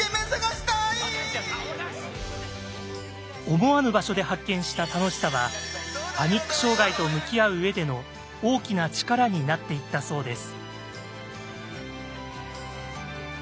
思わぬ場所で発見した楽しさはパニック障害と向き合う上での大きな力になっていったそうです。